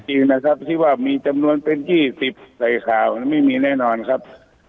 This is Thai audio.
จริงนะครับที่ว่ามีจำนวนเป็น๒๐ใส่ข่าวไม่มีแน่นอนครับ